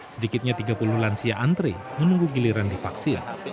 sedikitnya tiga puluh lansia antre menunggu giliran divaksin